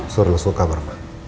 suruh suruh kabar ma